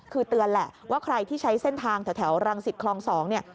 คือเตือนแหละว่าใครที่ใช้เส้นทางแถวรังสิตคลอง๒เนี่ย